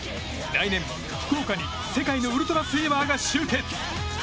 来年、福岡に世界のウルトラスイマーが終結。